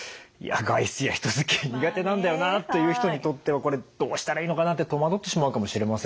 外出や人づきあい苦手なんだよなという人にとってはこれどうしたらいいのかなって戸惑ってしまうかもしれませんよね。